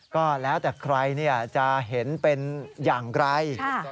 ก็แล้วแต่ใครจะเห็นเป็นอย่างไร